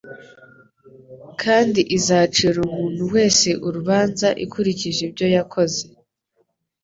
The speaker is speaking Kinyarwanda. kandi izacira umuntu wese urubanza ikurikije ibyo yakoze.